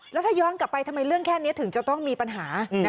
แล้วถ้าย้อนกลับไปทำไมเรื่องแค่นี้ถึงจะต้องมีปัญหา